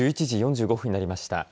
１１時４５分になりました。